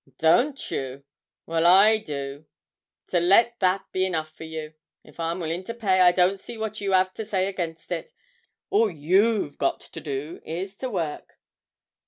'Don't you? Well, I do, so let that be enough for you. If I'm willing to pay, I don't see what you 'ave to say against it. All you've got to do is to work.'